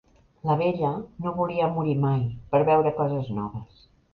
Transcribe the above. La vella no volia morir mai, per veure coses noves.